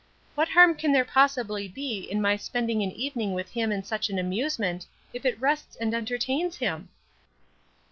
What harm can there possibly be in my spending an evening with him in such an amusement, if it rests and entertains him?"